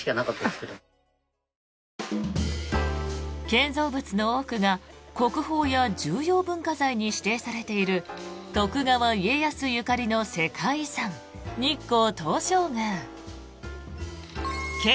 建造物の多くが国宝や重要文化財に指定されている徳川家康ゆかりの世界遺産日光東照宮。